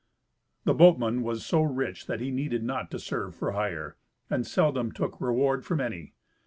The boatman was so rich that he needed not to serve for hire, and seldom took reward from any.